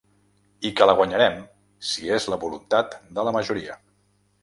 I que la guanyarem si és la voluntat de la majoria.